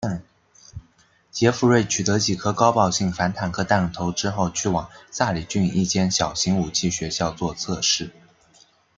杰佛瑞取得几颗高爆性反坦克弹头之后去往萨里郡一间小型武器学校作测试。